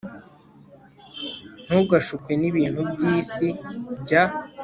ntugashukwe n'ibintu by'iyi si, jya